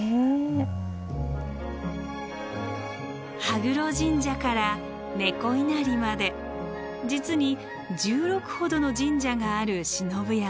羽黒神社から猫稲荷まで実に１６ほどの神社がある信夫山。